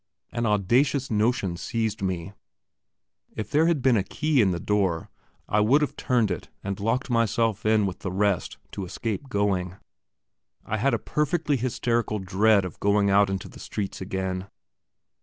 An audacious notion seized me if there had been a key in the door, I would have turned it and locked myself in along with the rest to escape going. I had a perfectly hysterical dread of going out into the streets again.